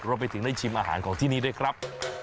รวมไปถึงได้ชิมอาหารของที่นี่ด้วยครับ